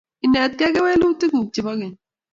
inetekei kewelutik kuk chepo keny